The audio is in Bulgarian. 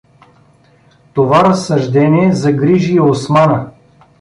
Това разсъждение загрижи и Османа.